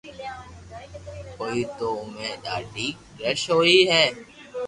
ھوئي تو اووي ڌاڌي رݾ ھوئي ھي